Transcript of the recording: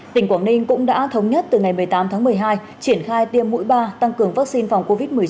tỉnh quảng ninh cũng đã thống nhất từ ngày một mươi tám tháng một mươi hai triển khai tiêm mũi ba tăng cường vaccine phòng covid một mươi chín